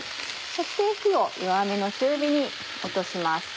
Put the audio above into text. そして火を弱めの中火に落とします。